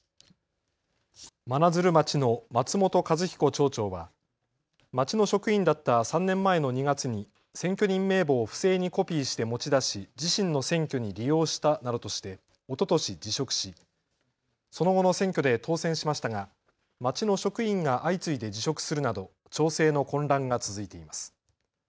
真鶴町の松本一彦町長は町の職員だった３年前の２月に選挙人名簿を不正にコピーして持ち出し自身の選挙に利用したなどとして、おととし辞職し、その後の選挙で当選しましたが町の職員が相次いで辞職するなど町政の混乱が続いています。